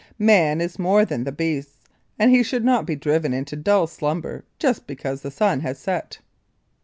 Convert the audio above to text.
Man is more than the beasts, and he should not be driven into dull slumber just because the sun has set.